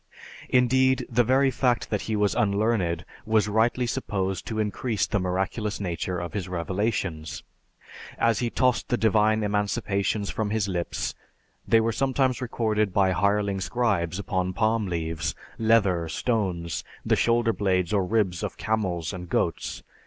Indeed, the very fact that he was unlearned was rightly supposed to increase the miraculous nature of his revelations. As he tossed the divine emanations from his lips, they were sometimes recorded by hireling scribes upon palm leaves, leather, stones, the shoulder blades or ribs of camels and goats.